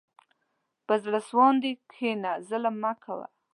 په زړه سواندي کښېنه، ظلم مه کوه.